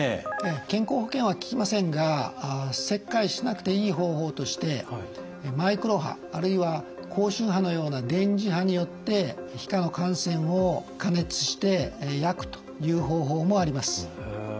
健康保険は利きませんが切開しなくていい方法としてマイクロ波あるいは高周波のような電磁波によって皮下の汗腺を加熱して焼くという方法もあります。